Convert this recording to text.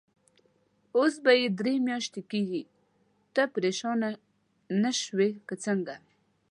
اوس به یې درې میاشتې کېږي، ته پرېشانه نه شوې که څنګه؟